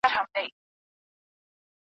نظري او عملي کارونه باید یوځای پر مخ ولاړ سي.